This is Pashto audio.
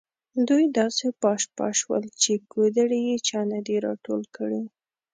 دوی داسې پاش پاش شول چې کودړي یې چا نه دي راټول کړي.